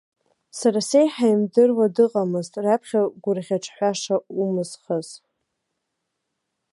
Сара сеиҳа имдыруа дыҟамызт, раԥхьа гәырӷьаҿҳәаша умызхыз.